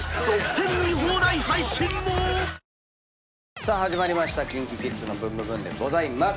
さあ始まりました『ＫｉｎＫｉＫｉｄｓのブンブブーン！』です。